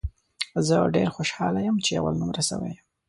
زه ډېر خوشاله یم ، چې اول نمره سوی یم